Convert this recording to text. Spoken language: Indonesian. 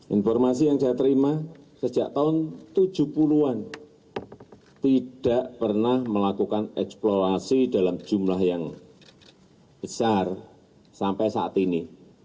informasi yang saya terima sejak tahun tujuh puluh an tidak pernah melakukan eksplorasi dalam jumlah yang besar sampai saat ini